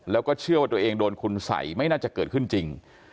แล้วก็เชื่อว่าตัวเองโดนคุณสัยไม่น่าจะเกิดขึ้นจริง